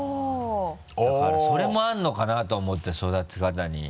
だからそれもあるのかなと思って育て方に。